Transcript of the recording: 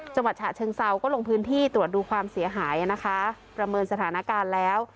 ฉะเชิงเซาก็ลงพื้นที่ตรวจดูความเสียหายนะคะประเมินสถานการณ์แล้ว